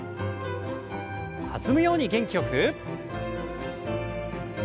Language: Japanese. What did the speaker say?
弾むように元気よく。